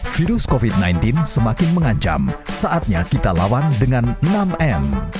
virus covid sembilan belas semakin mengancam saatnya kita lawan dengan enam m